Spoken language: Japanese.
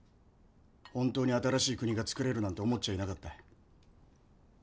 本当に新しい国が造れるなんて思っちゃいなかった。